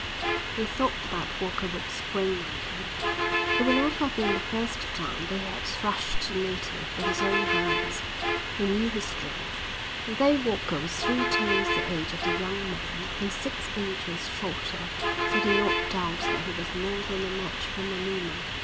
They thought that Walker would spring on him. It would not have been the first time that he had thrashed a native with his own hands; they knew his strength, and though Walker was three times the age of the young man and six inches shorter they did not doubt that he was more than a match for Manuma.